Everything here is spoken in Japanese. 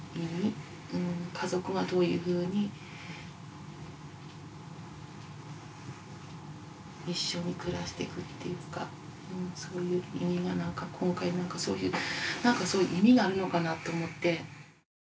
家族がどういうふうに一緒に暮らしていくっていうかそういう意味が今回なんかそういう意味があるのかなと思って。